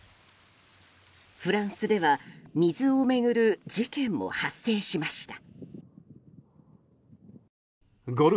フランスでは水を巡る事件も発生しました。